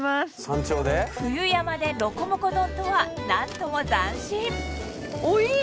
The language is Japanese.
冬山でロコモコ丼とは何とも斬新おっいい